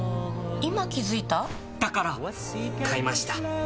今気付いた？だから！買いました。